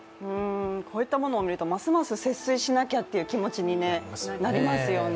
こういったものを見ると、ますます節水しなきゃという気持ちになりますよね。